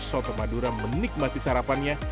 soto madura menikmati sarapannya